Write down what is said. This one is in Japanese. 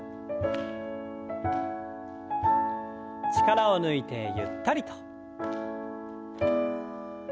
力を抜いてゆったりと。